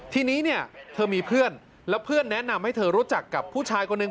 ทีนี้เนี่ยเธอมีเพื่อนแล้วเพื่อนแนะนำให้เธอรู้จักกับผู้ชายคนหนึ่ง